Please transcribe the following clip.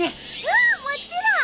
うんもちろん！